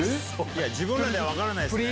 自分らでは分からないです。